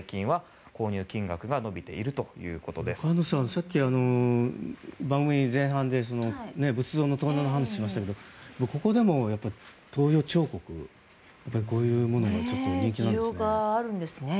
さっき番組前半で仏像の盗難の話をしましたがここでも東洋彫刻とかこういうものが人気があるんですね。